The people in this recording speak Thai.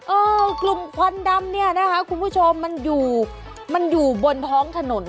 กลุ่มควันดำเนี่ยนะคะคุณผู้ชมมันอยู่มันอยู่บนท้องถนน